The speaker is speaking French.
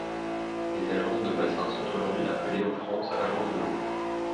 Les agences de bassin sont aujourd'hui appelées, en France, agences de l'eau.